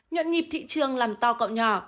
nhận nhịp thị trường làm to cậu nhỏ